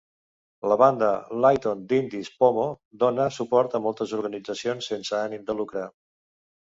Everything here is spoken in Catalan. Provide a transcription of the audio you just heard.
La banda Lytton d'indis Pomo dona suport a moltes organitzacions sense ànim de lucre.